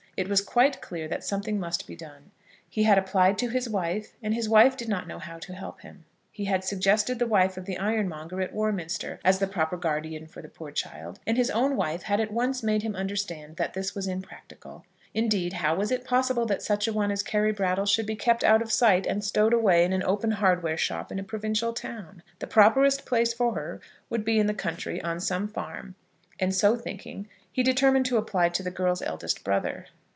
It was quite clear that something must be done. He had applied to his wife, and his wife did not know how to help him. He had suggested the wife of the ironmonger at Warminster as the proper guardian for the poor child, and his own wife had at once made him understand that this was impractical. Indeed, how was it possible that such a one as Carry Brattle should be kept out of sight and stowed away in an open hardware shop in a provincial town? The properest place for her would be in the country, on some farm; and, so thinking, he determined to apply to the girl's eldest brother.